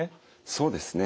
そうですね。